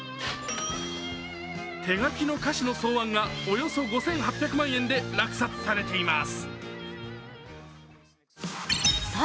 手書きの歌詞の草案がおよそ５８００万円で落札されています。